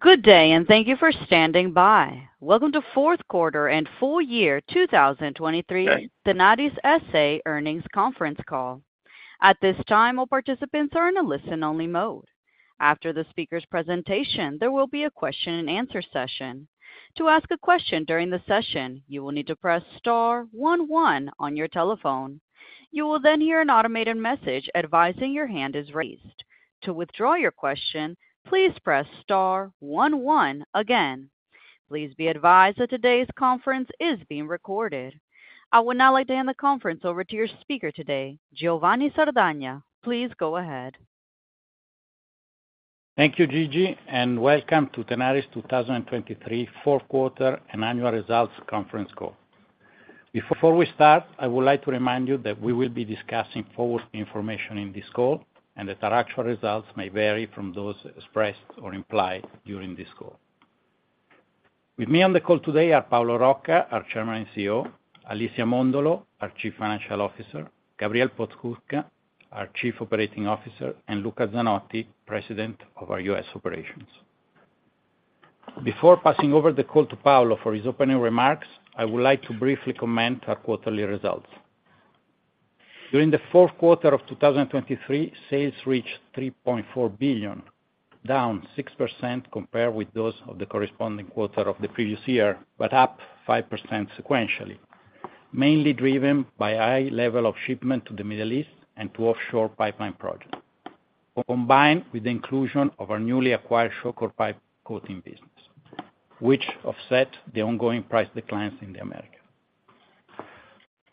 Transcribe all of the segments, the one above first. Good day, and thank you for standing by. Welcome to Fourth Quarter and Full Year 2023 Tenaris S.A. Earnings Conference Call. At this time, all participants are in a listen-only mode. After the speaker's presentation, there will be a question-and-answer session. To ask a question during the session, you will need to press star 11 on your telephone. You will then hear an automated message advising your hand is raised. To withdraw your question, please press star 11 again. Please be advised that today's conference is being recorded. I would now like to hand the conference over to your speaker today, Giovanni Sardagna. Please go ahead. Thank you, Gigi, and welcome to Tenaris 2023 Fourth Quarter and Annual Results Conference Call. Before we start, I would like to remind you that we will be discussing forward information in this call and that our actual results may vary from those expressed or implied during this call. With me on the call today are Paolo Rocca, our Chairman and CEO, Alicia Mondolo, our Chief Financial Officer, Gabriel Podskubka, our Chief Operating Officer, and Luca Zanotti, President of our U.S. Operations. Before passing over the call to Paolo for his opening remarks, I would like to briefly comment our quarterly results. During the fourth quarter of 2023, sales reached $3.4 billion, down 6% compared with those of the corresponding quarter of the previous year, but up 5% sequentially, mainly driven by high level of shipment to the Middle East and to offshore pipeline projects, combined with the inclusion of our newly acquired Shawcor pipe coating business, which offset the ongoing price declines in the Americas.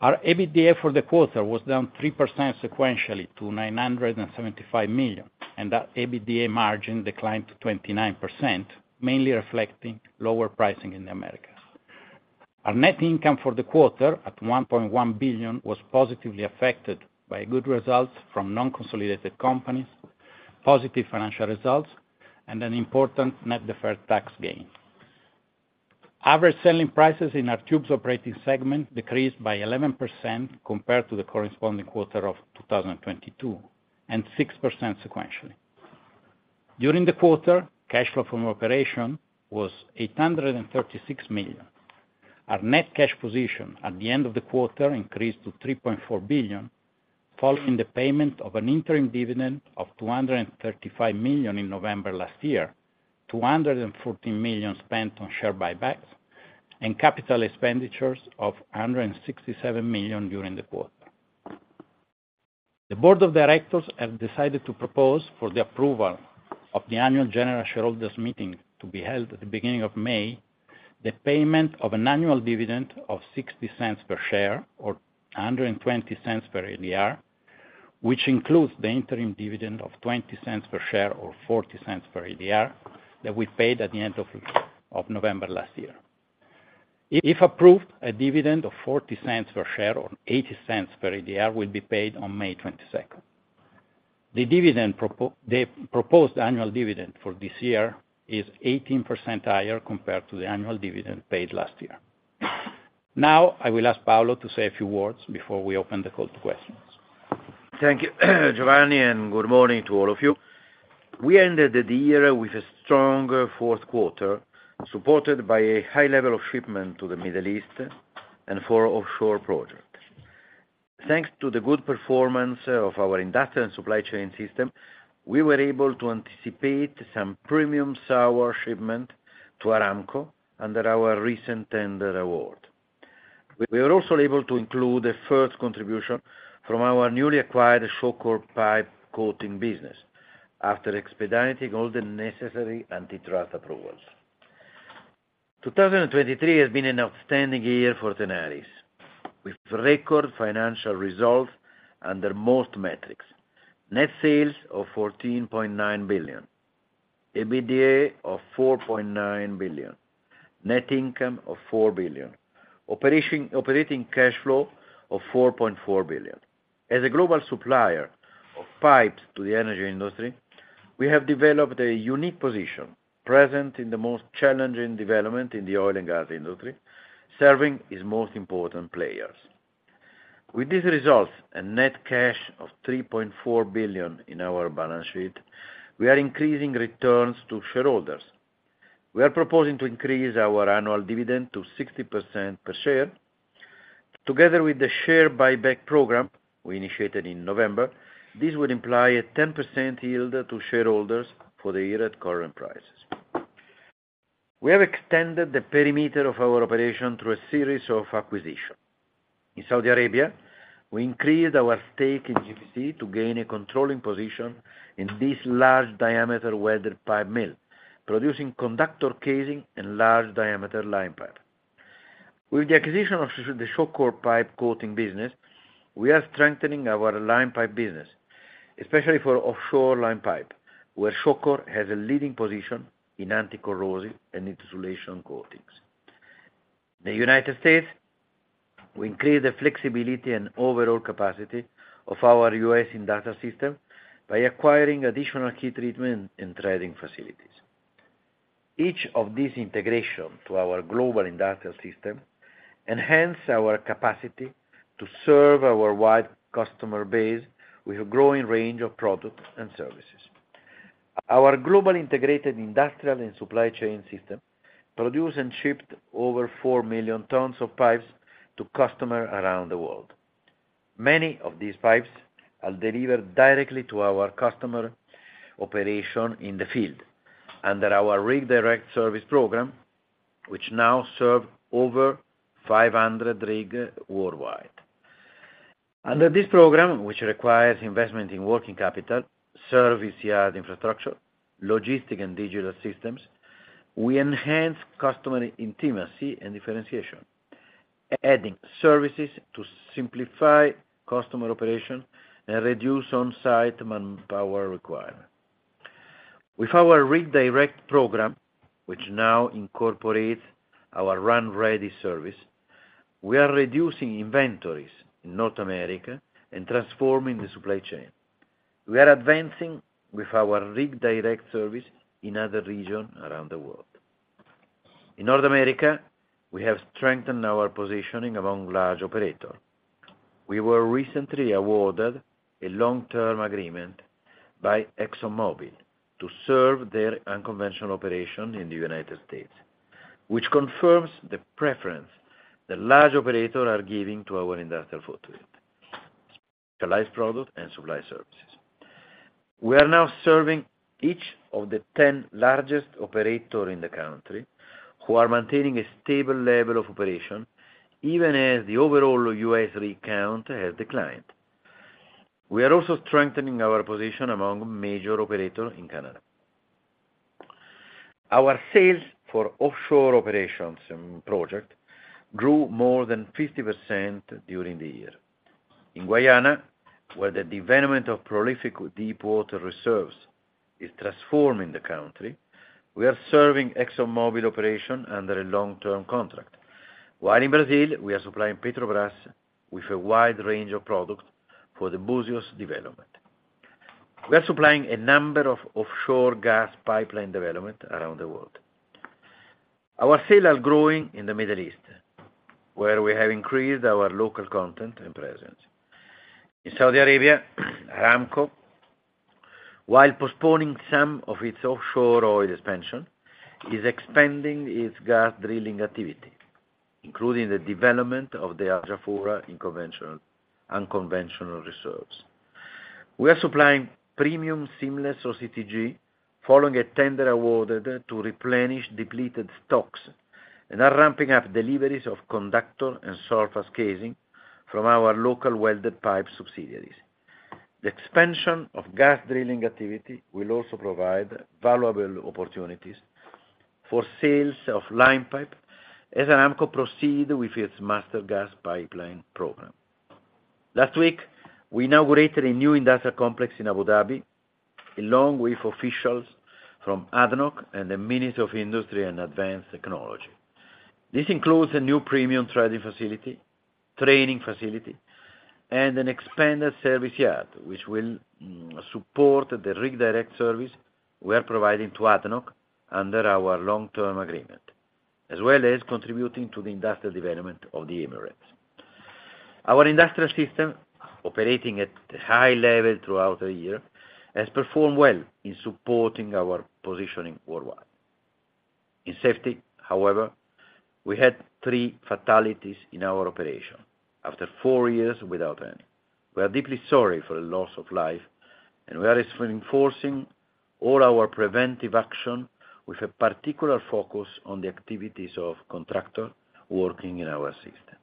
Our EBITDA for the quarter was down 3% sequentially to $975 million, and our EBITDA margin declined to 29%, mainly reflecting lower pricing in the Americas. Our net income for the quarter at $1.1 billion was positively affected by good results from non-consolidated companies, positive financial results, and an important net deferred tax gain. Average selling prices in our tubes operating segment decreased by 11% compared to the corresponding quarter of 2022 and 6% sequentially. During the quarter, cash flow from operation was $836 million. Our net cash position at the end of the quarter increased to $3.4 billion, following the payment of an interim dividend of $235 million in November last year, $214 million spent on share buybacks, and capital expenditures of $167 million during the quarter. The Board of Directors have decided to propose for the approval of the annual general shareholders' meeting to be held at the beginning of May, the payment of an annual dividend of $0.60 per share or $1.20 per ADR, which includes the interim dividend of $0.20 per share or $0.40 per ADR that we paid at the end of November last year. If approved, a dividend of $0.40 per share or $0.80 per ADR will be paid on May 22nd. The proposed annual dividend for this year is 18% higher compared to the annual dividend paid last year. Now, I will ask Paolo to say a few words before we open the call to questions. Thank you, Giovanni, and good morning to all of you. We ended the year with a strong fourth quarter supported by a high level of shipment to the Middle East and for offshore projects. Thanks to the good performance of our industrial supply chain system, we were able to anticipate some premium sour shipment to Aramco under our recent tender award. We were also able to include a first contribution from our newly acquired Shawcor pipe coating business after expediting all the necessary antitrust approvals. 2023 has been an outstanding year for Tenaris with record financial results under most metrics: net sales of $14.9 billion, EBITDA of $4.9 billion, net income of $4 billion, operating cash flow of $4.4 billion. As a global supplier of pipes to the energy industry, we have developed a unique position present in the most challenging development in the oil and gas industry, serving its most important players. With these results and net cash of $3.4 billion in our balance sheet, we are increasing returns to shareholders. We are proposing to increase our annual dividend to 60% per share. Together with the share buyback program we initiated in November, this would imply a 10% yield to shareholders for the year at current prices. We have extended the perimeter of our operation through a series of acquisitions. In Saudi Arabia, we increased our stake in GPC to gain a controlling position in this large-diameter welded pipe mill, producing conductor casing and large-diameter line pipe. With the acquisition of the Shawcor pipe coating business, we are strengthening our line pipe business, especially for offshore line pipe, where Shawcor has a leading position in anticorrosive and insulation coatings. In the United States, we increased the flexibility and overall capacity of our U.S. industrial system by acquiring additional heat treatment and trading facilities. Each of these integrations to our global industrial system enhances our capacity to serve our wide customer base with a growing range of products and services. Our global integrated industrial and supply chain system produces and ships over 4 million tons of pipes to customers around the world. Many of these pipes are delivered directly to our customer operations in the field under our Rig Direct service program, which now serves over 500 rigs worldwide. Under this program, which requires investment in working capital, service yard infrastructure, logistics, and digital systems, we enhance customer intimacy and differentiation, adding services to simplify customer operations and reduce on-site manpower requirements. With our Rig Direct program, which now incorporates our RunReady service, we are reducing inventories in North America and transforming the supply chain. We are advancing with our Rig Direct service in other regions around the world. In North America, we have strengthened our positioning among large operators. We were recently awarded a long-term agreement by ExxonMobil to serve their unconventional operations in the United States, which confirms the preference the large operators are giving to our industrial footprint: specialized products and supply services. We are now serving each of the 10 largest operators in the country who are maintaining a stable level of operation, even as the overall U.S. rig count has declined. We are also strengthening our position among major operators in Canada. Our sales for offshore operations projects grew more than 50% during the year. In Guyana, where the development of prolific deep-water reserves is transforming the country, we are serving ExxonMobil operations under a long-term contract, while in Brazil, we are supplying Petrobras with a wide range of products for the Búzios development. We are supplying a number of offshore gas pipeline developments around the world. Our sales are growing in the Middle East, where we have increased our local content and presence. In Saudi Arabia, Aramco, while postponing some of its offshore oil expansion, is expanding its gas drilling activity, including the development of the Jafurah unconventional reserves. We are supplying premium seamless OCTG, following a tender awarded to replenish depleted stocks, and are ramping up deliveries of conductor and surface casing from our local welded pipe subsidiaries. The expansion of gas drilling activity will also provide valuable opportunities for sales of line pipe as Aramco proceeds with its master gas pipeline program. Last week, we inaugurated a new industrial complex in Abu Dhabi along with officials from ADNOC and the Ministry of Industry and Advanced Technology. This includes a new premium trading facility, training facility, and an expanded service yard, which will support the Rig Direct service we are providing to ADNOC under our long-term agreement, as well as contributing to the industrial development of the Emirates. Our industrial system, operating at a high level throughout the year, has performed well in supporting our positioning worldwide. In safety, however, we had three fatalities in our operation after four years without any. We are deeply sorry for the loss of life, and we are reinforcing all our preventive actions with a particular focus on the activities of contractors working in our system.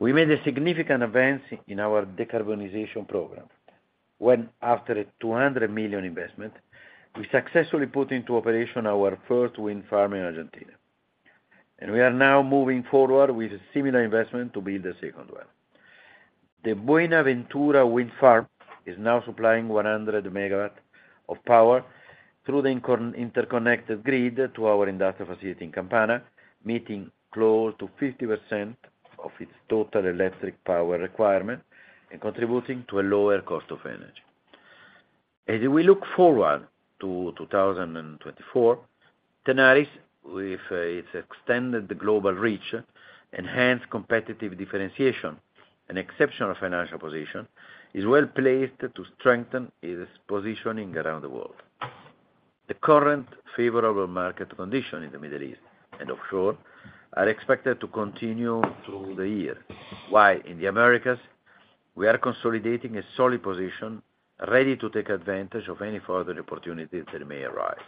We made a significant advance in our decarbonization program when, after a $200 million investment, we successfully put into operation our first wind farm in Argentina, and we are now moving forward with a similar investment to build a second one. The Buena Ventura Wind Farm is now supplying 100 MW of power through the interconnected grid to our industrial facility in Campana, meeting close to 50% of its total electric power requirement and contributing to a lower cost of energy. As we look forward to 2024, Tenaris, with its extended global reach, enhanced competitive differentiation, and exceptional financial position, is well placed to strengthen its positioning around the world. The current favorable market conditions in the Middle East and offshore are expected to continue through the year, while in the Americas, we are consolidating a solid position ready to take advantage of any further opportunities that may arise.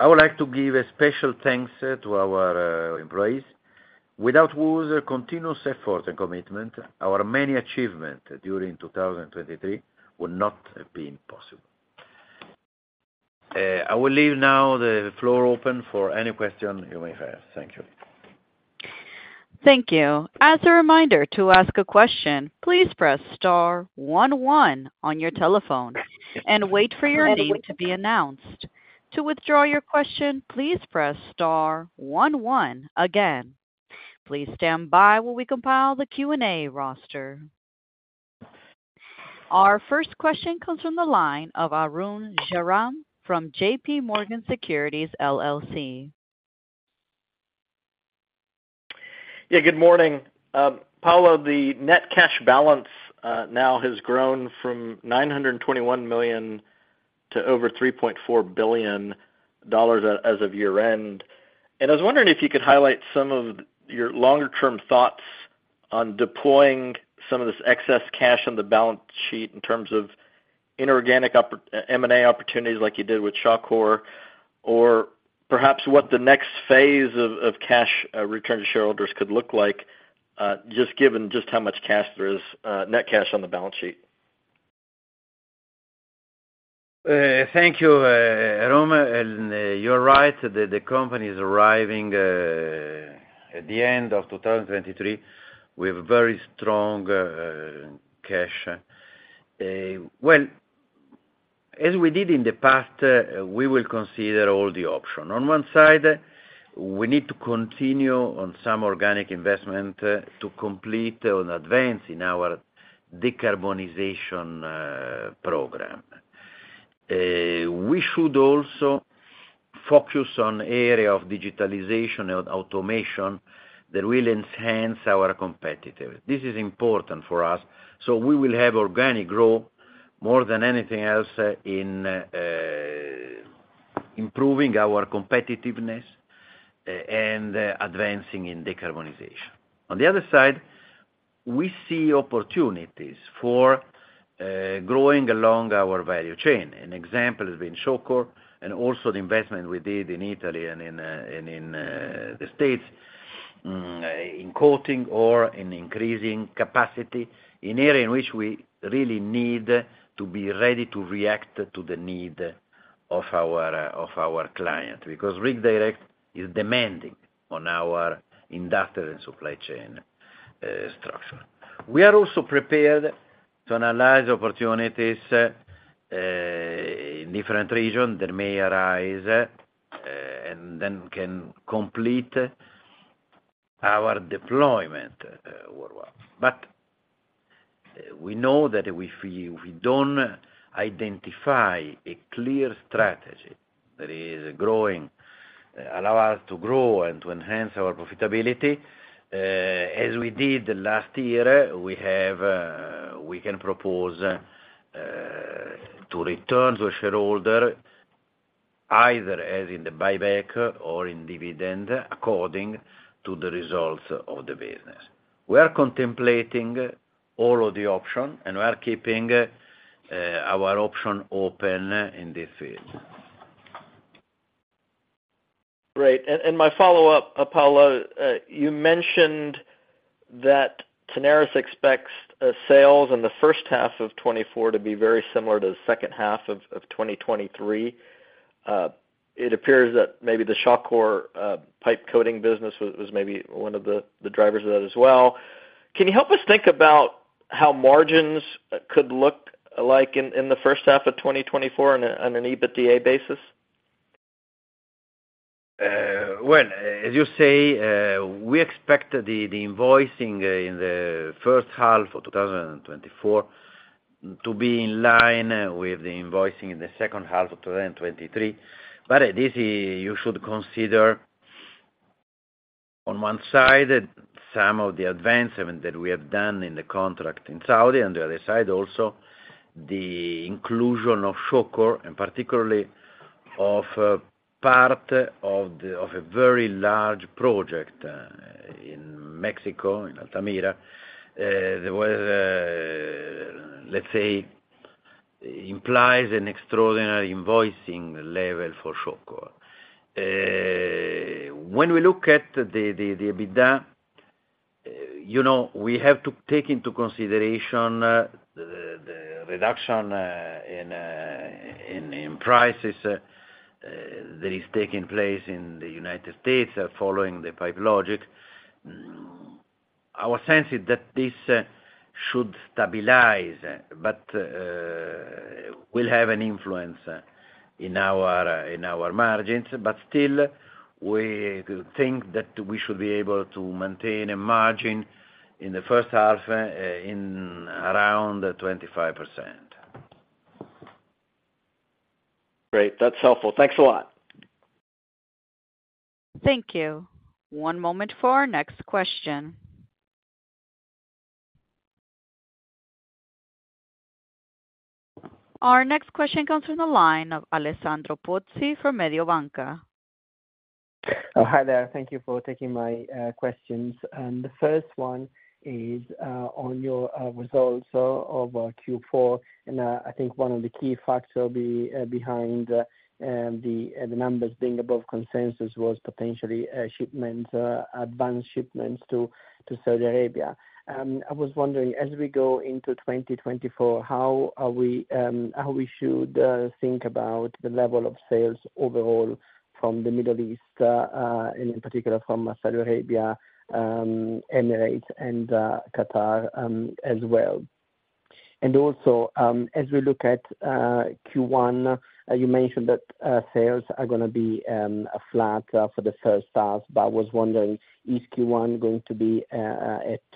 I would like to give a special thanks to our employees. Without whose continuous effort and commitment, our many achievements during 2023 would not have been possible. I will leave now the floor open for any questions you may have. Thank you. Thank you. As a reminder, to ask a question, please press star one one on your telephone and wait for your name to be announced. To withdraw your question, please press star one one again. Please stand by while we compile the Q&A roster. Our first question comes from the line of Arun Jayaram from JPMorgan Securities LLC. Yeah, good morning. Paolo, the net cash balance now has grown from $921 million to over $3.4 billion as of year-end. I was wondering if you could highlight some of your longer-term thoughts on deploying some of this excess cash on the balance sheet in terms of inorganic M&A opportunities like you did with Shawcor, or perhaps what the next phase of cash return to shareholders could look like, just given just how much cash there is, net cash on the balance sheet. Thank you, Arun. You're right. The company is arriving at the end of 2023 with very strong cash. Well, as we did in the past, we will consider all the options. On one side, we need to continue on some organic investment to complete an advance in our decarbonization program. We should also focus on an area of digitalization and automation that will enhance our competitiveness. This is important for us. So we will have organic growth more than anything else in improving our competitiveness and advancing in decarbonization. On the other side, we see opportunities for growing along our value chain. An example has been Shawcor and also the investment we did in Italy and in the States in coating or in increasing capacity in an area in which we really need to be ready to react to the need of our client because Rig Direct is demanding on our industrial and supply chain structure. We are also prepared to analyze opportunities in different regions that may arise and then can complete our deployment worldwide. But we know that if we don't identify a clear strategy that is allowing us to grow and to enhance our profitability, as we did last year, we can propose to return to a shareholder either as in the buyback or in dividends according to the results of the business. We are contemplating all of the options, and we are keeping our options open in this field. Great. My follow-up, Paolo, you mentioned that Tenaris expects sales in the first half of 2024 to be very similar to the second half of 2023. It appears that maybe the Shawcor pipe coating business was maybe one of the drivers of that as well. Can you help us think about how margins could look like in the first half of 2024 on an EBITDA basis? Well, as you say, we expect the invoicing in the first half of 2024 to be in line with the invoicing in the second half of 2023. But you should consider, on one side, some of the advancements that we have done in the contract in Saudi and, on the other side, also the inclusion of Shawcor, and particularly of part of a very large project in Mexico, in Altamira, that, let's say, implies an extraordinary invoicing level for Shawcor. When we look at the EBITDA, we have to take into consideration the reduction in prices that is taking place in the United States following the Pipe Logix. Our sense is that this should stabilize but will have an influence in our margins. But still, we think that we should be able to maintain a margin in the first half around 25%. Great. That's helpful. Thanks a lot. Thank you. One moment for our next question. Our next question comes from the line of Alessandro Pozzi from Mediobanca. Hi there. Thank you for taking my questions. The first one is on your results of Q4. I think one of the key factors behind the numbers being above consensus was potentially advanced shipments to Saudi Arabia. I was wondering, as we go into 2024, how we should think about the level of sales overall from the Middle East and, in particular, from Saudi Arabia, Emirates, and Qatar as well. Also, as we look at Q1, you mentioned that sales are going to be flat for the first half. I was wondering, is Q1 going to be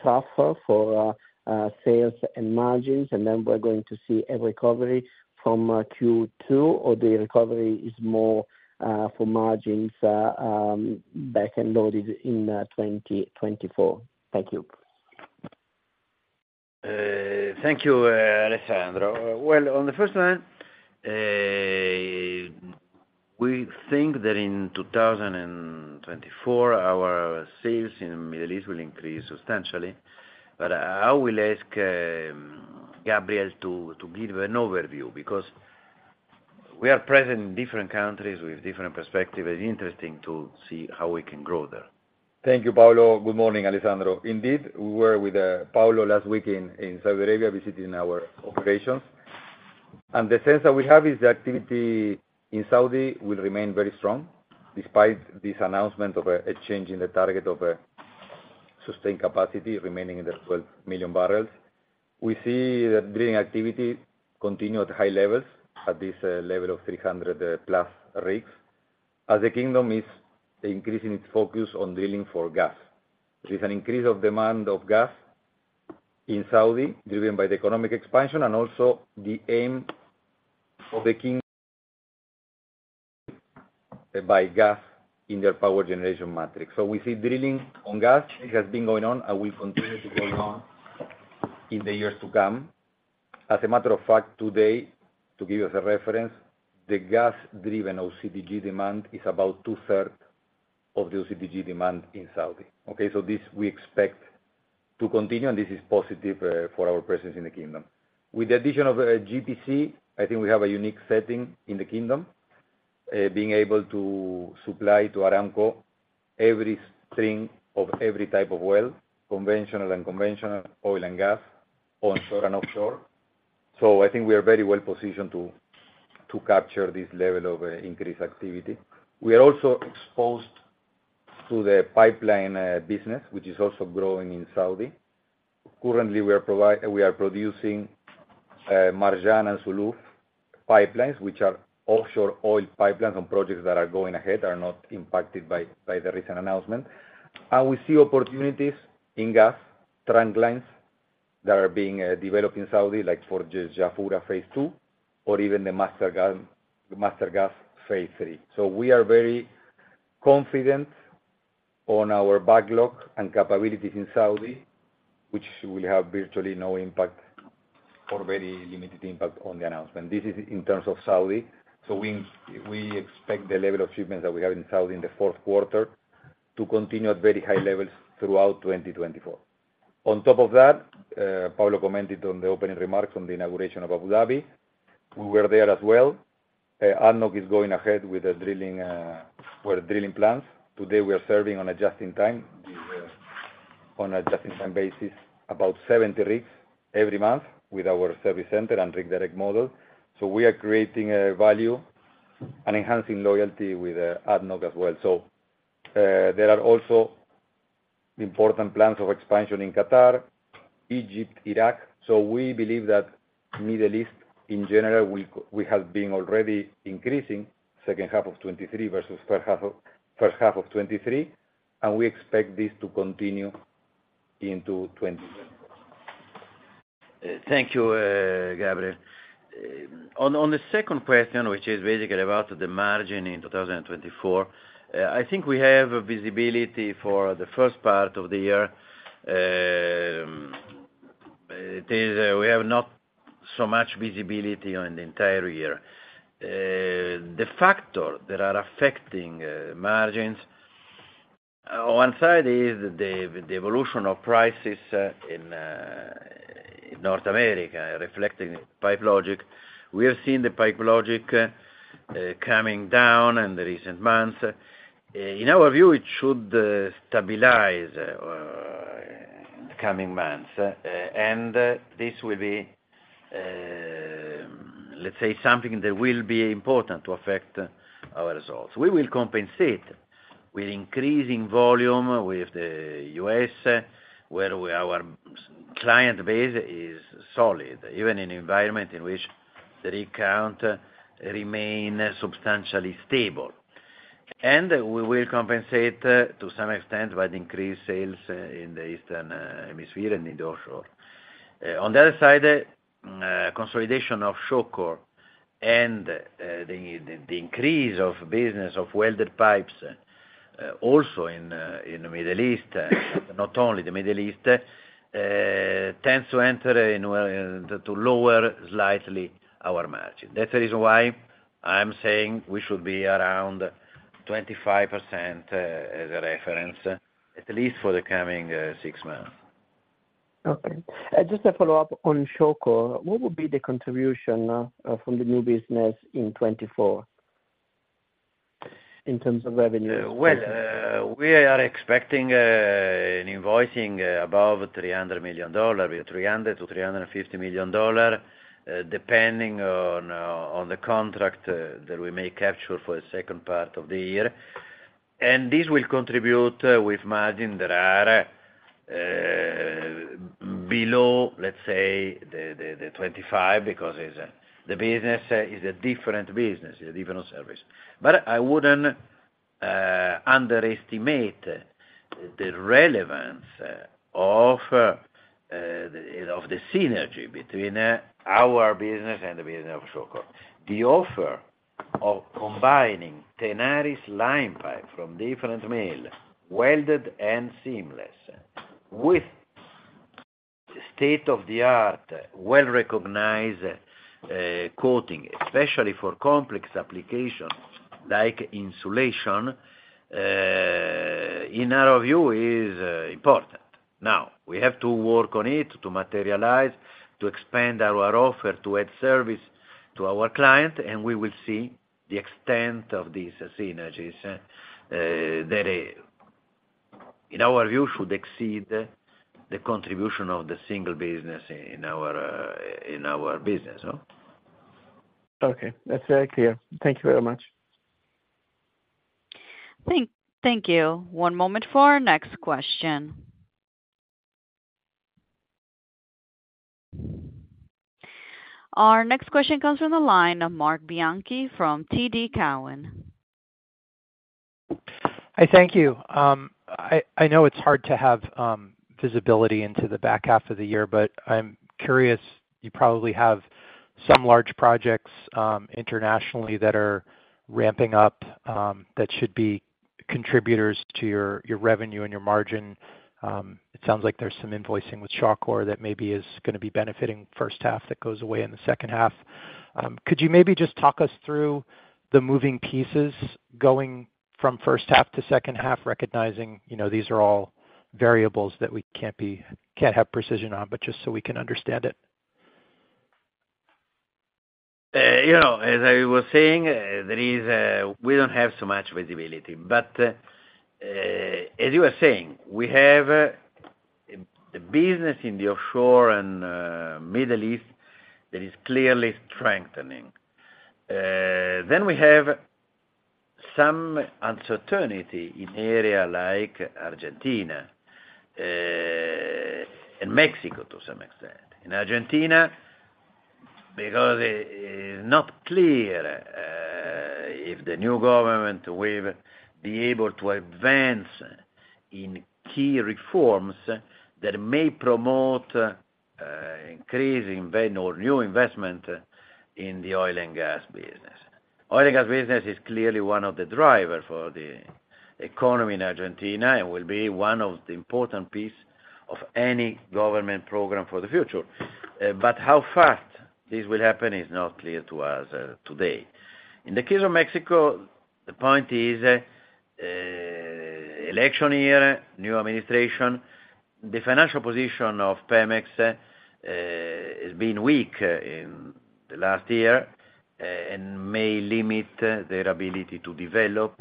tougher for sales and margins, and then we're going to see a recovery from Q2, or the recovery is more for margins back and loaded in 2024? Thank you. Thank you, Alessandro. Well, on the first line, we think that in 2024, our sales in the Middle East will increase substantially. But I will ask Gabriel to give an overview because we are present in different countries with different perspectives. It's interesting to see how we can grow there. Thank you, Paolo. Good morning, Alessandro. Indeed, we were with Paolo last week in Saudi Arabia visiting our operations. The sense that we have is the activity in Saudi will remain very strong despite this announcement of a change in the target of sustained capacity remaining in the 12 million barrels. We see that drilling activity continues at high levels, at this level of 300-plus rigs, as the kingdom is increasing its focus on drilling for gas. There is an increase of demand of gas in Saudi driven by the economic expansion and also the aim of the kingdom by gas in their power generation matrix. We see drilling on gas. It has been going on and will continue to go on in the years to come. As a matter of fact, today, to give you as a reference, the gas-driven OCTG demand is about two-thirds of the OCTG demand in Saudi. Okay? So this we expect to continue, and this is positive for our presence in the kingdom. With the addition of GPC, I think we have a unique setting in the kingdom, being able to supply to Aramco every string of every type of oil, conventional and unconventional, oil and gas, onshore and offshore. So I think we are very well positioned to capture this level of increased activity. We are also exposed to the pipeline business, which is also growing in Saudi. Currently, we are producing Marjan and Zuluf pipelines, which are offshore oil pipelines on projects that are going ahead, are not impacted by the recent announcement. We see opportunities in gas trendlines that are being developed in Saudi, like for Jafurah Phase 2 or even the Master Gas Phase 3. So we are very confident on our backlog and capabilities in Saudi, which will have virtually no impact or very limited impact on the announcement. This is in terms of Saudi. So we expect the level of shipments that we have in Saudi in the fourth quarter to continue at very high levels throughout 2024. On top of that, Paolo commented on the opening remarks on the inauguration of Abu Dhabi. We were there as well. ADNOC is going ahead with the drilling plans. Today, we are serving on a just-in-time basis about 70 rigs every month with our service center and Rig Direct model. So we are creating value and enhancing loyalty with ADNOC as well. There are also important plans of expansion in Qatar, Egypt, Iraq. We believe that the Middle East, in general, has been already increasing, second half of 2023 versus first half of 2023. We expect this to continue into 2024. Thank you, Gabriel. On the second question, which is basically about the margin in 2024, I think we have visibility for the first part of the year. We have not so much visibility on the entire year. The factors that are affecting margins, on one side, is the evolution of prices in North America reflecting Pipe Logix. We have seen the Pipe Logix coming down in the recent months. In our view, it should stabilize in the coming months. And this will be, let's say, something that will be important to affect our results. We will compensate with increasing volume with the U.S., where our client base is solid, even in an environment in which the rig count remains substantially stable. And we will compensate to some extent by the increased sales in the eastern hemisphere and in the offshore. On the other side, consolidation of Shawcor and the increase of business of welded pipes also in the Middle East, not only the Middle East, tends to lower slightly our margin. That's the reason why I'm saying we should be around 25% as a reference, at least for the coming six months. Okay. Just a follow-up on Shawcor. What would be the contribution from the new business in 2024 in terms of revenue? Well, we are expecting an invoicing above $300 million, $300 million-$350 million, depending on the contract that we may capture for the second part of the year. This will contribute with margin that are below, let's say, the 25% because the business is a different business, a different service. But I wouldn't underestimate the relevance of the synergy between our business and the business of Shawcor. The offer of combining Tenaris line pipe from different mills, welded and seamless, with state-of-the-art, well-recognized coating, especially for complex applications like insulation, in our view, is important. Now, we have to work on it to materialize, to expand our offer, to add service to our client. We will see the extent of these synergies that, in our view, should exceed the contribution of the single business in our business. Okay. That's very clear. Thank you very much. Thank you. One moment for our next question. Our next question comes from the line of Marc Bianchi from TD Cowen. Hi. Thank you. I know it's hard to have visibility into the back half of the year, but I'm curious. You probably have some large projects internationally that are ramping up that should be contributors to your revenue and your margin. It sounds like there's some invoicing with Shawcor that maybe is going to be benefiting first half that goes away in the second half. Could you maybe just talk us through the moving pieces going from first half to second half, recognizing these are all variables that we can't have precision on, but just so we can understand it? As I was saying, we don't have so much visibility. But as you were saying, we have the business in the offshore and Middle East that is clearly strengthening. Then we have some uncertainty in an area like Argentina and Mexico to some extent. In Argentina, because it is not clear if the new government will be able to advance in key reforms that may promote increasing or new investment in the oil and gas business. Oil and gas business is clearly one of the drivers for the economy in Argentina and will be one of the important pieces of any government program for the future. But how fast this will happen is not clear to us today. In the case of Mexico, the point is election year, new administration, the financial position of Pemex has been weak in the last year and may limit their ability to develop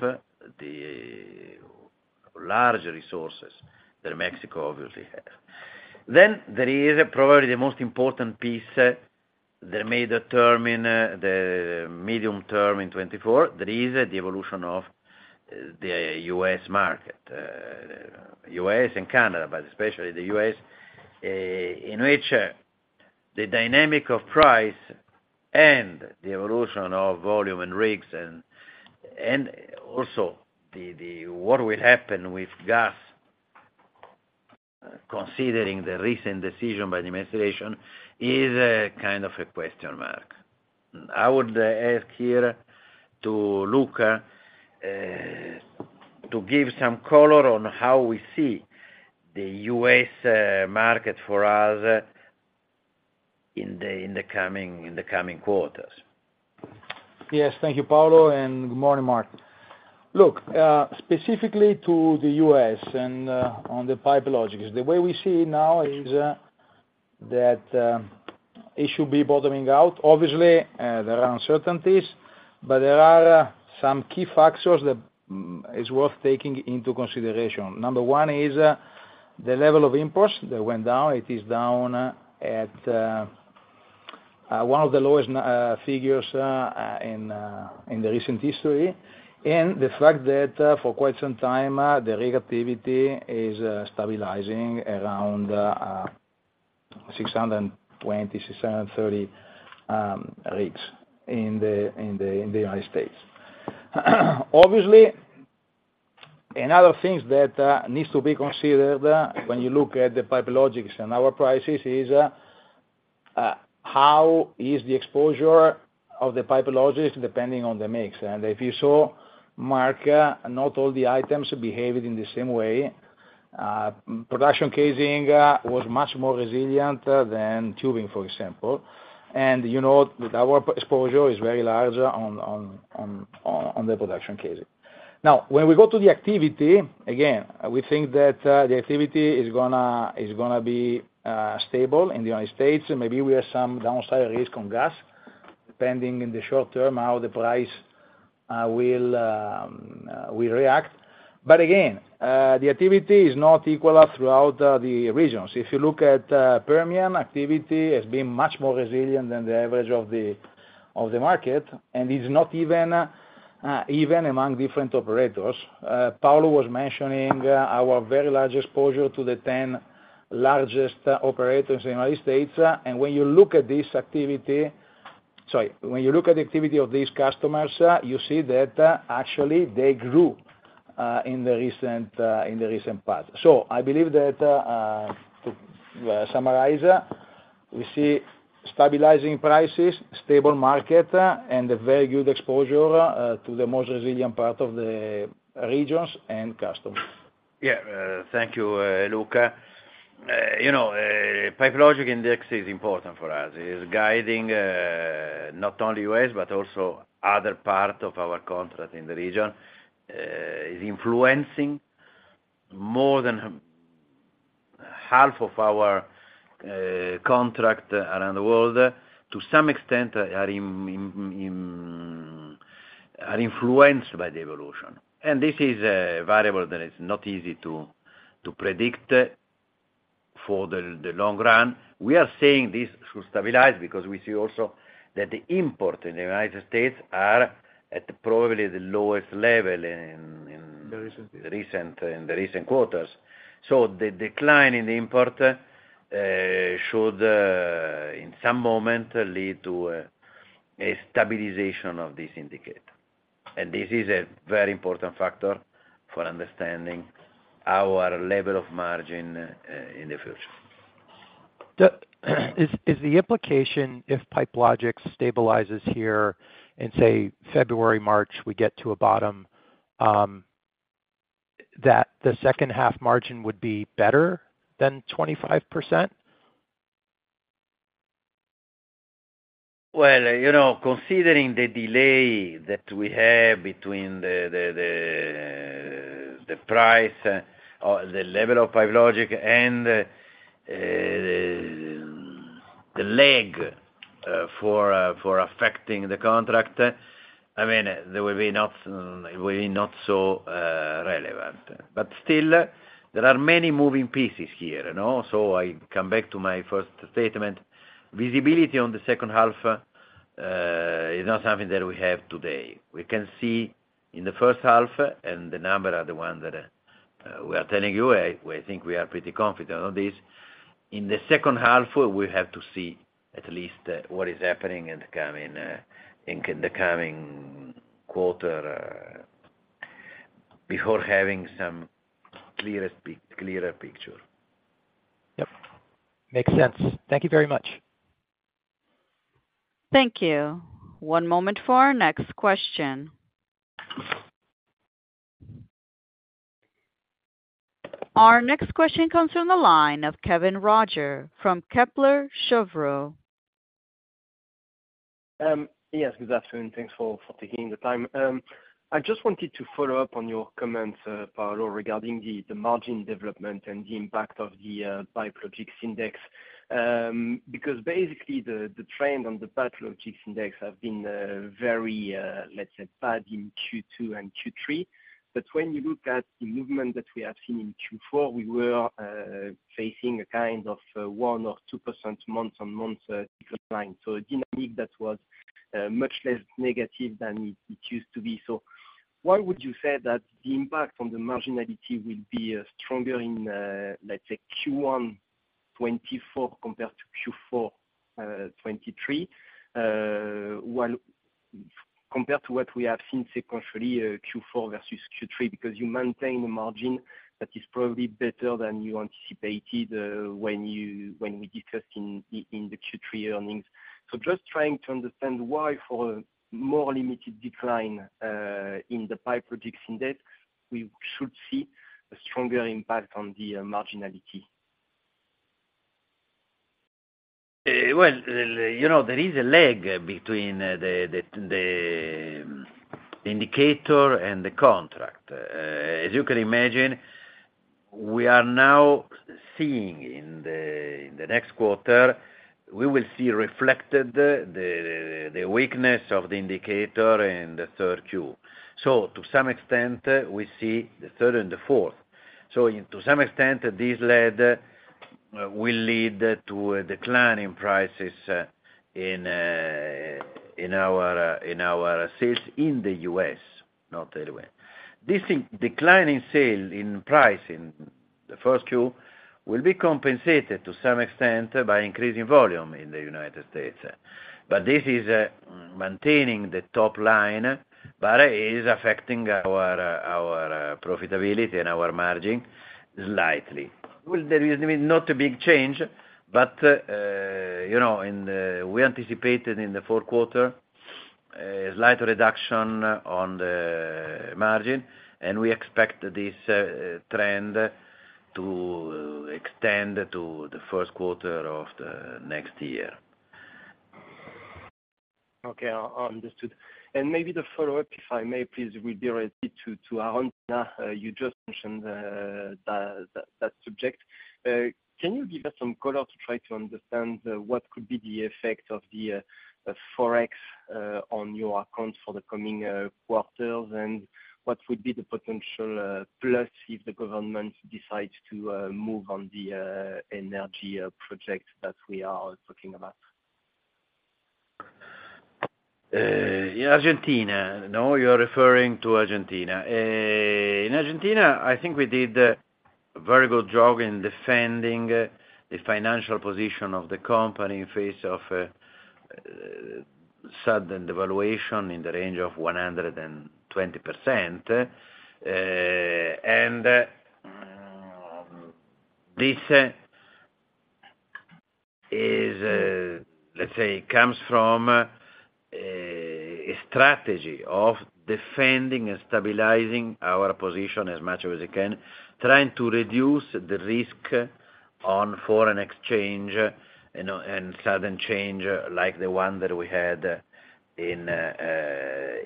the large resources that Mexico, obviously, has. Then there is probably the most important piece that may determine the medium term in 2024. There is the evolution of the U.S. market, U.S. and Canada, but especially the U.S., in which the dynamic of price and the evolution of volume and rigs and also what will happen with gas, considering the recent decision by the administration, is kind of a question mark. I would ask here to Luca to give some color on how we see the U.S. market for us in the coming quarters. Yes. Thank you, Paolo. And good morning, Mark. Look, specifically to the U.S. and on the Pipe Logix, the way we see it now is that it should be bottoming out. Obviously, there are uncertainties, but there are some key factors that are worth taking into consideration. Number one is the level of imports that went down. It is down at one of the lowest figures in the recent history. And the fact that for quite some time, the rig activity is stabilizing around 620, 630 rigs in the United States. Obviously, another thing that needs to be considered when you look at the Pipe Logix and our prices is how is the exposure of the Pipe Logix depending on the mix. And if you saw, Mark, not all the items behaved in the same way. Production casing was much more resilient than tubing, for example. You know that our exposure is very large on the production casing. Now, when we go to the activity, again, we think that the activity is going to be stable in the United States. Maybe we have some downside risk on gas, depending in the short term how the price will react. But again, the activity is not equal throughout the regions. If you look at Permian, activity has been much more resilient than the average of the market. And it's not even among different operators. Paolo was mentioning our very large exposure to the 10 largest operators in the United States. And when you look at the activity of these customers, you see that actually, they grew in the recent path.I believe that, to summarize, we see stabilizing prices, stable market, and very good exposure to the most resilient part of the regions and customers. Yeah. Thank you, Luca. Pipe Logix Index is important for us. It is guiding not only U.S. but also other parts of our contract in the region. It's influencing more than half of our contract around the world, to some extent, are influenced by the evolution. And this is a variable that is not easy to predict for the long run. We are saying this should stabilize because we see also that the import in the United States are at probably the lowest level in the recent quarters. So the decline in the import should, in some moment, lead to a stabilization of this indicator. And this is a very important factor for understanding our level of margin in the future. Is the implication, if Pipe Logix stabilizes here and, say, February, March, we get to a bottom, that the second half margin would be better than 25%? Well, considering the delay that we have between the price or the level of Pipe Logix and the lag for affecting the contract, I mean, it will be not so relevant. But still, there are many moving pieces here. So I come back to my first statement. Visibility on the second half is not something that we have today. We can see in the first half, and the number are the ones that we are telling you, we think we are pretty confident on this. In the second half, we have to see at least what is happening in the coming quarter before having some clearer picture. Yep. Makes sense. Thank you very much. Thank you. One moment for our next question. Our next question comes from the line of Kevin Roger from Kepler Cheuvreux. Yes. Good afternoon. Thanks for taking the time. I just wanted to follow up on your comments, Paolo, regarding the margin development and the impact of the Pipe Logix Index because, basically, the trend on the Pipe Logix Index has been very, let's say, bad in Q2 and Q3. But when you look at the movement that we have seen in Q4, we were facing a kind of 1% or 2% month-on-month decline, so a dynamic that was much less negative than it used to be. So why would you say that the impact on the marginality will be stronger in, let's say, Q1 2024 compared to Q4 2023 compared to what we have seen sequentially Q4 versus Q3 because you maintain a margin that is probably better than you anticipated when we discussed in the Q3 earnings? So just trying to understand why, for a more limited decline in the Pipe Logix Index, we should see a stronger impact on the marginality. Well, there is a lag between the indicator and the contract. As you can imagine, we are now seeing in the next quarter, we will see reflected the weakness of the indicator in the third Q. So to some extent, we see the third and the fourth. So to some extent, this will lead to a decline in prices in our sales in the U.S., not everywhere. This declining sale in price in the first Q will be compensated to some extent by increasing volume in the United States. But this is maintaining the top line, but it is affecting our profitability and our margin slightly. There is not a big change, but we anticipated in the fourth quarter a slight reduction on the margin. We expect this trend to extend to the first quarter of the next year. Okay. Understood. And maybe the follow-up, if I may, please, if we're ready to Argentina, you just mentioned that subject. Can you give us some color to try to understand what could be the effect of the Forex on your account for the coming quarters and what would be the potential plus if the government decides to move on the energy project that we are talking about? In Argentina? No, you're referring to Argentina. In Argentina, I think we did a very good job in defending the financial position of the company in face of a sudden devaluation in the range of 120%. And this is, let's say, comes from a strategy of defending and stabilizing our position as much as we can, trying to reduce the risk on foreign exchange and sudden change like the one that we had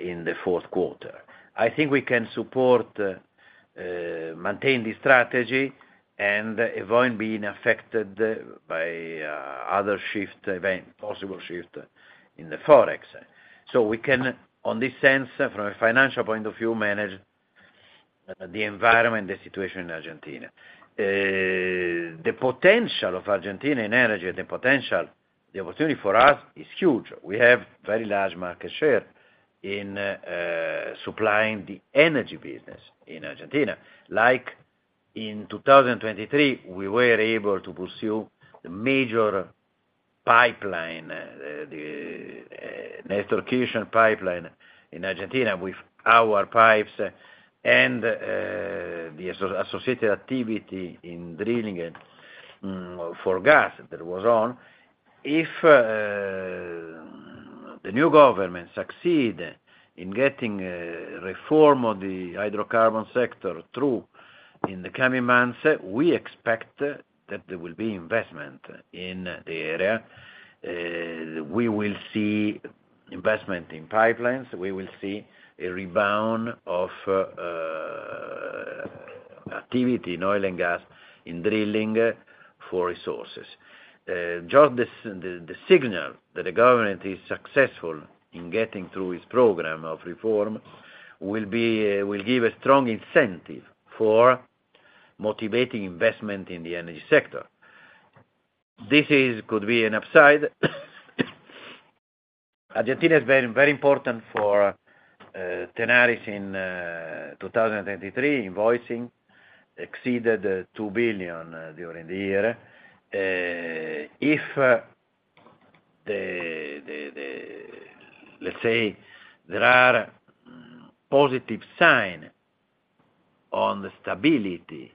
in the fourth quarter. I think we can maintain this strategy and avoid being affected by other possible shifts in the Forex. So we can, in this sense, from a financial point of view, manage the environment, the situation in Argentina. The potential of Argentina in energy, the opportunity for us, is huge. We have very large market share in supplying the energy business in Argentina. Like in 2023, we were able to pursue the major Néstor Kirchner pipeline in Argentina with our pipes and the associated activity in drilling for gas that was on. If the new government succeeds in getting reform of the hydrocarbon sector through in the coming months, we expect that there will be investment in the area. We will see investment in pipelines. We will see a rebound of activity in oil and gas in drilling for resources. Just the signal that the government is successful in getting through its program of reform will give a strong incentive for motivating investment in the energy sector. This could be an upside. Argentina is very important for Tenaris in 2023. Invoicing exceeded $2 billion during the year. If, let's say, there are positive signs on the stability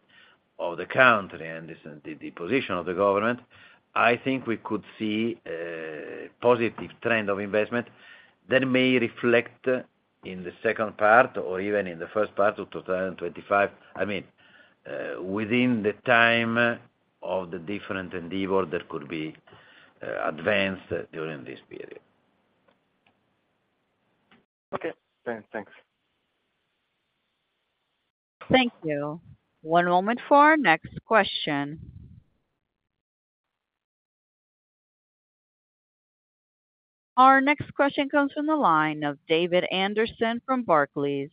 of the country and the position of the government, I think we could see a positive trend of investment that may reflect in the second part or even in the first part of 2025, I mean, within the time of the different endeavor that could be advanced during this period. Okay. Thanks. Thank you. One moment for our next question. Our next question comes from the line of David Anderson from Barclays.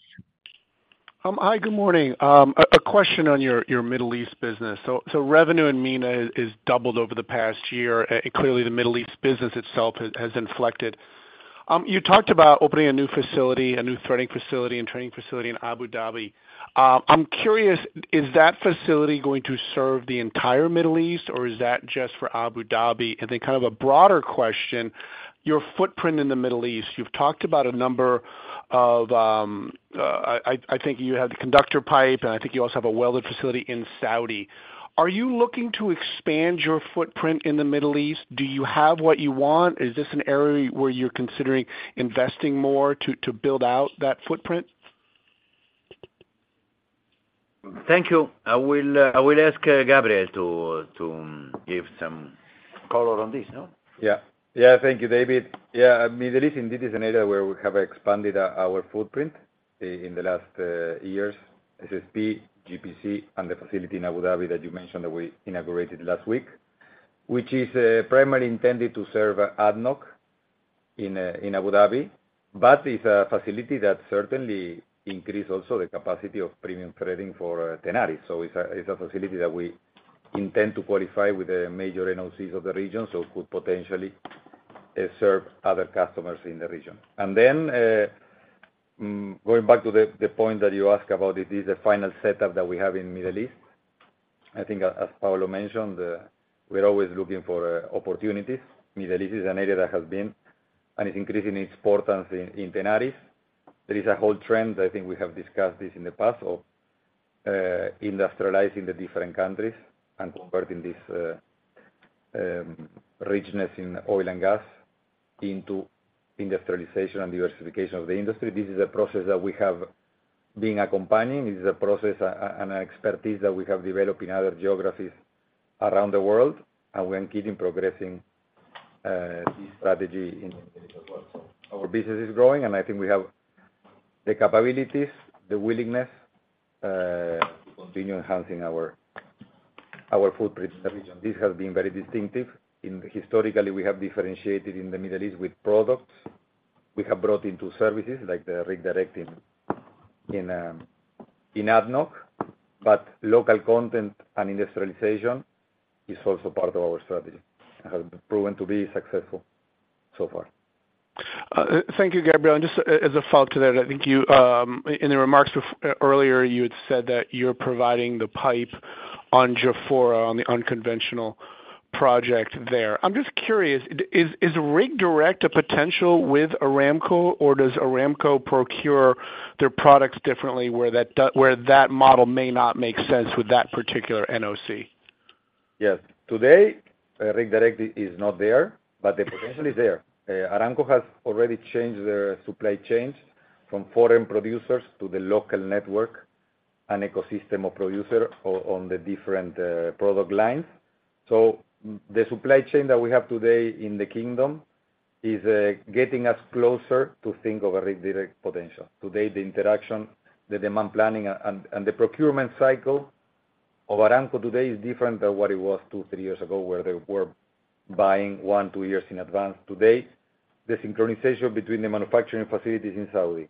Hi. Good morning. A question on your Middle East business. So revenue in MENA has doubled over the past year. Clearly, the Middle East business itself has inflected. You talked about opening a new facility, a new threading facility and training facility in Abu Dhabi. I'm curious, is that facility going to serve the entire Middle East, or is that just for Abu Dhabi? And then kind of a broader question, your footprint in the Middle East. You've talked about a number of I think you have the conductor pipe, and I think you also have a welded facility in Saudi. Are you looking to expand your footprint in the Middle East? Do you have what you want? Is this an area where you're considering investing more to build out that footprint? Thank you. I will ask Gabriel to give some color on this, no? Yeah. Yeah. Thank you, David. Yeah. Middle East, indeed, is an area where we have expanded our footprint in the last years. SSP, GPC, and the facility in Abu Dhabi that you mentioned that we inaugurated last week, which is primarily intended to serve ADNOC in Abu Dhabi. But it's a facility that certainly increased also the capacity of premium threading for Tenaris. So it's a facility that we intend to qualify with the major NOCs of the region, so could potentially serve other customers in the region. And then going back to the point that you asked about, is this the final setup that we have in Middle East? I think, as Paolo mentioned, we're always looking for opportunities. Middle East is an area that has been and is increasing its importance in Tenaris. There is a whole trend. I think we have discussed this in the past of industrializing the different countries and converting this richness in oil and gas into industrialization and diversification of the industry. This is a process that we have been accompanying. It is a process and an expertise that we have developed in other geographies around the world. We're continuing to progress this strategy in the Middle East as well. Our business is growing, and I think we have the capabilities, the willingness to continue enhancing our footprint in the region. This has been very distinctive. Historically, we have differentiated in the Middle East with products. We have brought into services like the Rig Direct in ADNOC. Local content and industrialization is also part of our strategy and has proven to be successful so far. Thank you, Gabriel. Just as a follow-up to that, I think in the remarks earlier, you had said that you're providing the pipe on Jafurah, on the unconventional project there. I'm just curious, is Rig Direct a potential with Aramco, or does Aramco procure their products differently where that model may not make sense with that particular NOC? Yes. Today, Rig Direct is not there, but the potential is there. Aramco has already changed their supply chain from foreign producers to the local network and ecosystem of producers on the different product lines. So the supply chain that we have today in the kingdom is getting us closer to think of a Rig Direct potential. Today, the interaction, the demand planning, and the procurement cycle of Aramco today is different than what it was two, three years ago where they were buying one, two years in advance. Today, the synchronization between the manufacturing facilities in Saudi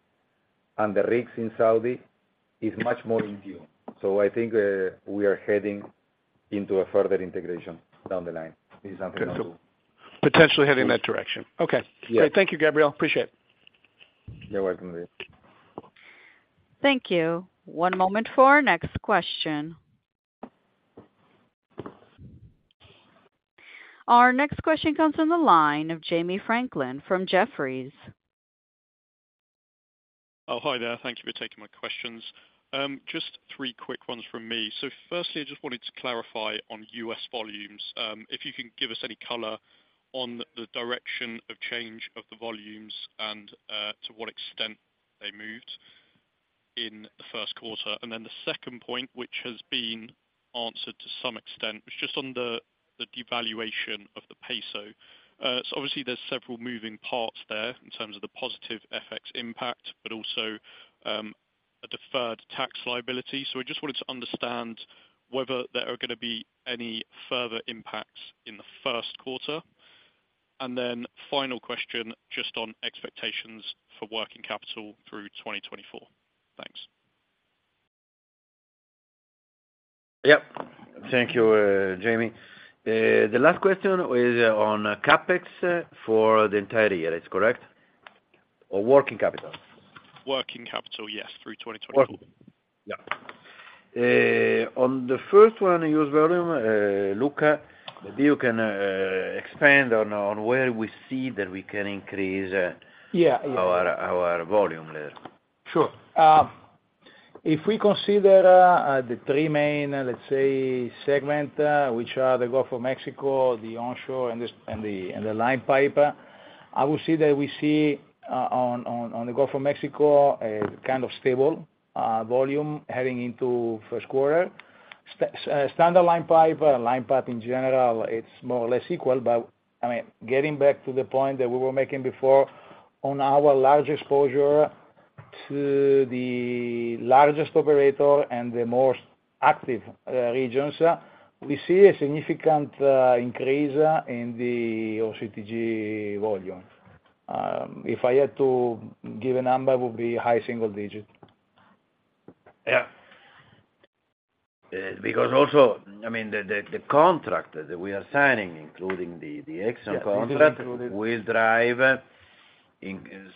and the rigs in Saudi is much more in tune. So I think we are heading into a further integration down the line. It is something else. Potentially heading that direction. Okay. Great. Thank you, Gabriel. Appreciate it. You're welcome, David. Thank you. One moment for our next question. Our next question comes from the line of Jamie Franklin from Jefferies. Oh, hi there. Thank you for taking my questions. Just three quick ones from me. So firstly, I just wanted to clarify on U.S. volumes, if you can give us any color on the direction of change of the volumes and to what extent they moved in the first quarter. And then the second point, which has been answered to some extent, was just on the devaluation of the peso. So obviously, there's several moving parts there in terms of the positive FX impact, but also a deferred tax liability. So I just wanted to understand whether there are going to be any further impacts in the first quarter. And then final question just on expectations for working capital through 2024. Thanks. Yep. Thank you, Jamie. The last question was on CapEx for the entire year. It's correct? Or working capital? Working capital, yes, through 2024. Yeah. On the first one, use volume, Luca, maybe you can expand on where we see that we can increase our volume later. Sure. If we consider the three main, let's say, segments, which are the Gulf of Mexico, the onshore, and the line pipe, I would say that we see on the Gulf of Mexico kind of stable volume heading into first quarter. Standard line pipe, line pipe in general, it's more or less equal. But I mean, getting back to the point that we were making before on our large exposure to the largest operator and the most active regions, we see a significant increase in the OCTG volume. If I had to give a number, it would be high single digit. Yeah. Because also, I mean, the contract that we are signing, including the Exxon contract, will drive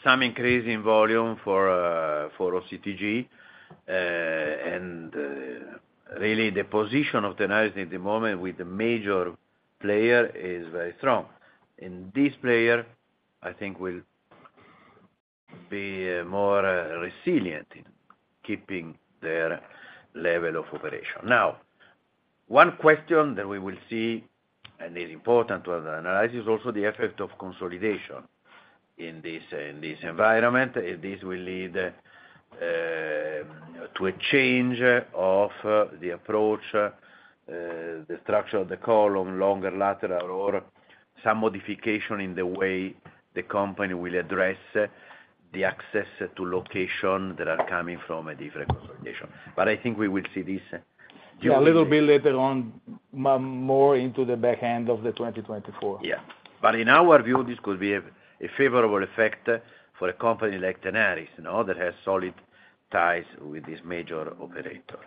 some increase in volume for OCTG. Really, the position of Tenaris at the moment with the major player is very strong. This player, I think, will be more resilient in keeping their level of operation. Now, one question that we will see and is important to analyze is also the effect of consolidation in this environment. This will lead to a change of the approach, the structure of the column, longer lateral, or some modification in the way the company will address the access to location that are coming from a different consolidation. But I think we will see this. Yeah. A little bit later on, more into the back end of 2024. Yeah. But in our view, this could be a favorable effect for a company like Tenaris that has solid ties with this major operator.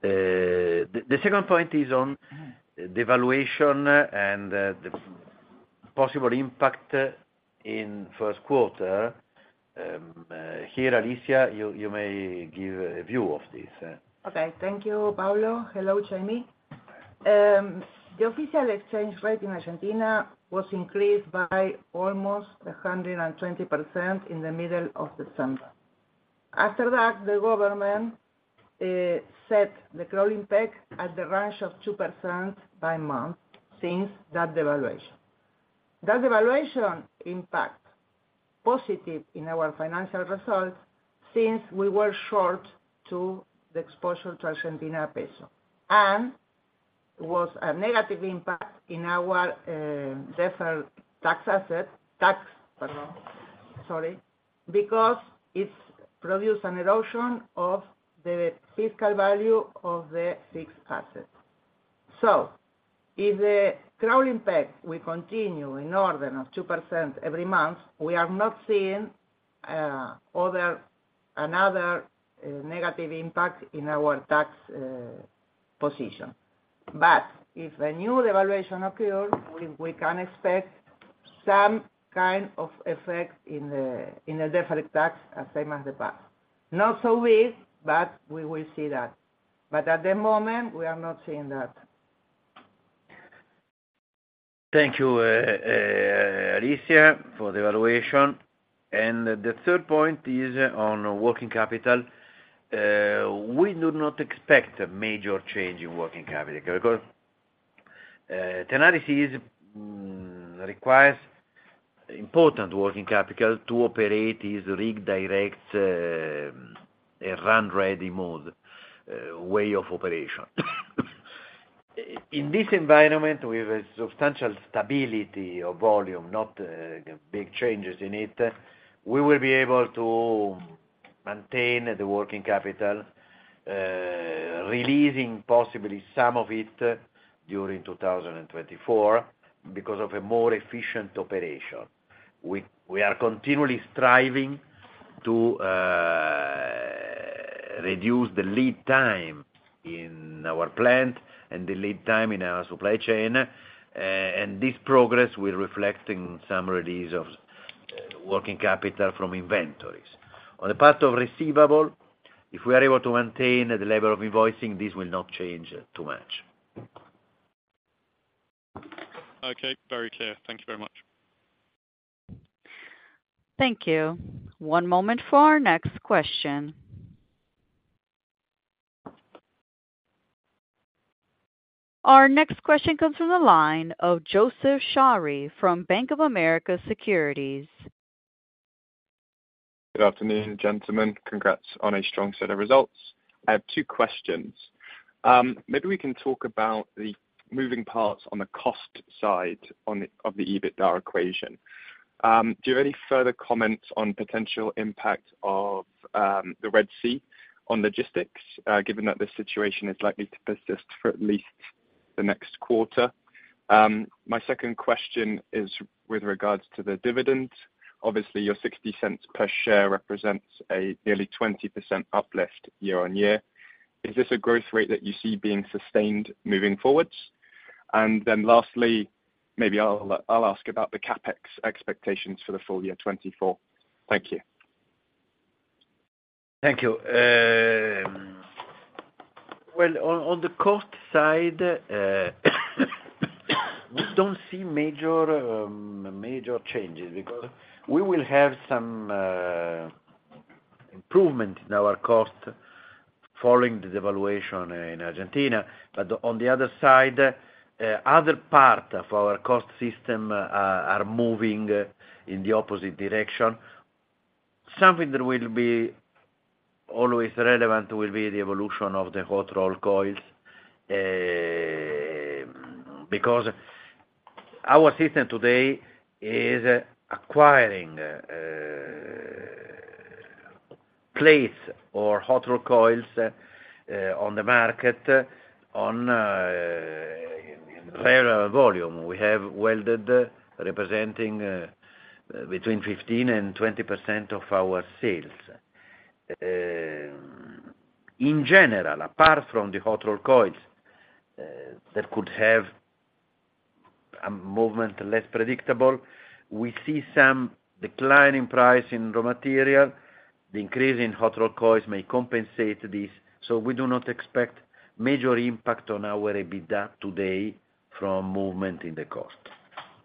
The second point is on devaluation and the possible impact in first quarter. Here, Alicia, you may give a view of this. Okay. Thank you, Paolo. Hello, Jamie. The official exchange rate in Argentina was increased by almost 120% in the middle of December. After that, the government set the crawling peg at the range of 2% by month since that devaluation. That devaluation impacted positively on our financial results since we were short to the exposure to Argentine peso. And it was a negative impact on our deferred tax asset tax, pardon. Sorry. Because it produced an erosion of the fiscal value of the fixed assets. So if the crawling peg continues in order of 2% every month, we are not seeing another negative impact on our tax position. But if a new devaluation occurs, we can expect some kind of effect in the deferred tax the same as the past. Not so big, but we will see that. But at the moment, we are not seeing that. Thank you, Alicia, for the evaluation. The third point is on working capital. We do not expect a major change in working capital because Tenaris requires important working capital to operate its Rig Direct and RunReady mode, way of operation. In this environment with substantial stability of volume, not big changes in it, we will be able to maintain the working capital, releasing possibly some of it during 2024 because of a more efficient operation. We are continually striving to reduce the lead time in our plant and the lead time in our supply chain. This progress will reflect in some release of working capital from inventories. On the part of receivable, if we are able to maintain the level of invoicing, this will not change too much. Okay. Very clear. Thank you very much. Thank you. One moment for our next question. Our next question comes from the line of Joseph Charuy from Bank of America Securities. Good afternoon, gentlemen. Congrats on a strong set of results. I have two questions. Maybe we can talk about the moving parts on the cost side of the EBITDA equation. Do you have any further comments on potential impact of the Red Sea on logistics, given that this situation is likely to persist for at least the next quarter? My second question is with regards to the dividend. Obviously, your $0.60 per share represents a nearly 20% uplift year-on-year. Is this a growth rate that you see being sustained moving forward? And then lastly, maybe I'll ask about the CapEx expectations for the full year 2024. Thank you. Thank you. Well, on the cost side, we don't see major changes because we will have some improvement in our cost following the devaluation in Argentina. But on the other side, other parts of our cost system are moving in the opposite direction. Something that will be always relevant will be the evolution of the hot-rolled coils because our system today is acquiring plates or hot-rolled coils on the market in reliable volume. We have welded representing between 15%-20% of our sales. In general, apart from the hot-rolled coils that could have a movement less predictable, we see some decline in price in raw material. The increase in hot-rolled coils may compensate this. So we do not expect major impact on our EBITDA today from movement in the cost.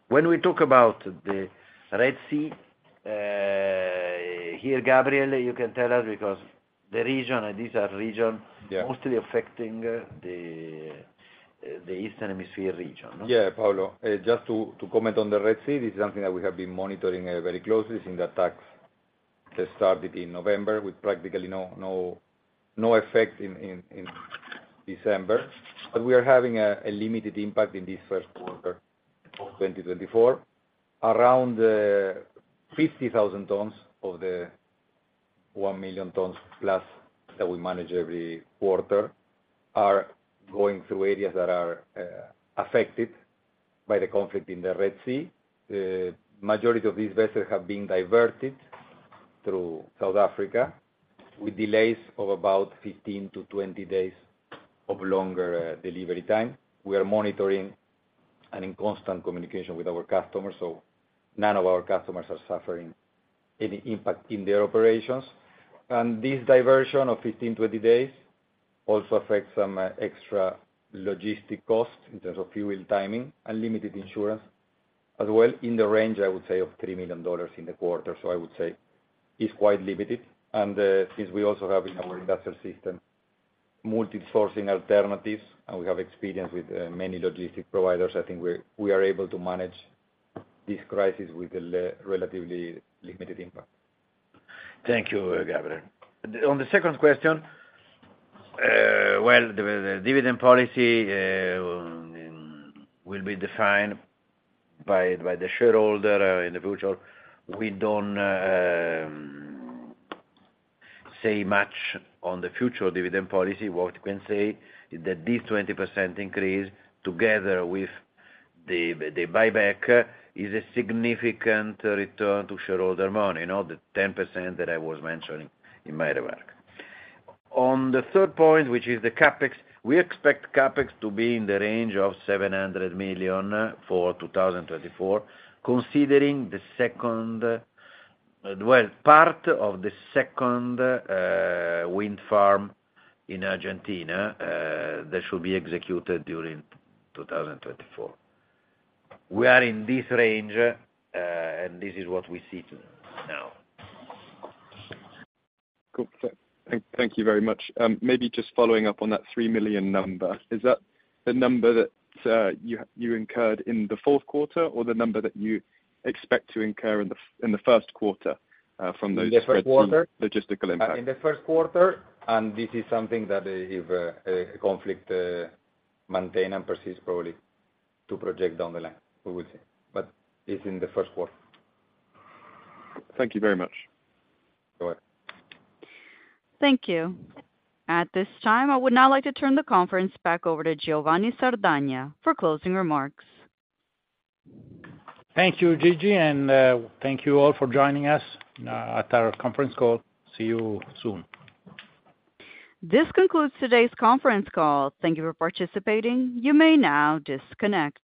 When we talk about the Red Sea, here, Gabriel, you can tell us because these are regions mostly affecting the Eastern Hemisphere region, no? Yeah, Paolo. Just to comment on the Red Sea, this is something that we have been monitoring very closely since the attacks that started in November with practically no effect in December. But we are having a limited impact in this first quarter of 2024. Around 50,000 tons of the 1 million tons plus that we manage every quarter are going through areas that are affected by the conflict in the Red Sea. The majority of these vessels have been diverted through South Africa with delays of about 15-20 days of longer delivery time. We are monitoring and in constant communication with our customers. So none of our customers are suffering any impact in their operations. This diversion of 15-20 days also affects some extra logistic costs in terms of fuel timing and limited insurance as well in the range, I would say, of $3 million in the quarter. So I would say it's quite limited. Since we also have in our industrial system multi-sourcing alternatives, and we have experience with many logistic providers, I think we are able to manage this crisis with a relatively limited impact. Thank you, Gabriel. On the second question, well, the dividend policy will be defined by the shareholder in the future. We don't say much on the future dividend policy. What we can say is that this 20% increase together with the buyback is a significant return to shareholder money, the 10% that I was mentioning in my remarks. On the third point, which is the CapEx, we expect CapEx to be in the range of $700 million for 2024 considering the second well, part of the second wind farm in Argentina that should be executed during 2024. We are in this range, and this is what we see now. Cool. Thank you very much. Maybe just following up on that $3 million number, is that the number that you incurred in the fourth quarter or the number that you expect to incur in the first quarter from those reduced logistical impact? In the first quarter. This is something that if a conflict maintains and persists, probably two projects down the line, we will see. It's in the first quarter. Thank you very much. You're welcome. Thank you. At this time, I would now like to turn the conference back over to Giovanni Sardagna for closing remarks. Thank you, Gigi. Thank you all for joining us at our conference call. See you soon. This concludes today's conference call. Thank you for participating. You may now disconnect.